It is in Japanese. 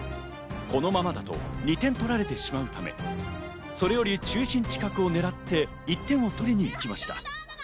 このままだと２点取られてしまうため、それより中心近くをねらって１点を取りに行きました。